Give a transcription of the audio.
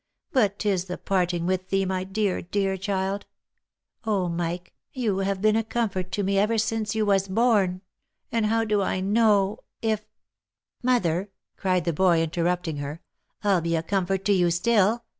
But 'tis the parting with thee, my dear, dear child !— Oh ! Mike, you have been a comfort to me ever since you was born— and how do I know, if —"" Mother !" cried the boy, interrupting her, " I'll be a comfort to you still.